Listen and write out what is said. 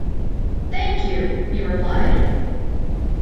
“Thank you,” he replied.